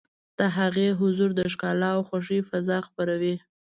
د هغې حضور د ښکلا او خوښۍ فضا خپروي.